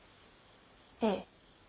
ええ。